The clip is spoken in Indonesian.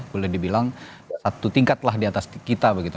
boleh dibilang satu tingkatlah di atas kita begitu